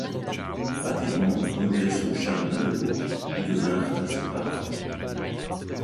Rapidement, il tombèrent sous le charme l'un de l'autre et devinrent inséparables.